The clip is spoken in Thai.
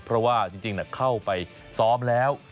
เพราะว่าจริงเข้าไปซ้อมแล้ว